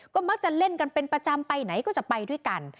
ก็มักจะเล่นกันเป็นประจำไปไหนก็จะไปด้วยกัน